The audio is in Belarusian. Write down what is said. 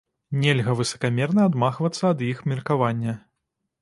Нельга высакамерна адмахвацца ад іх меркавання.